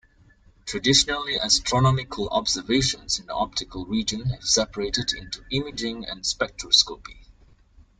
Traditionally astronomical observations in the optical region have separated into imaging and spectroscopy.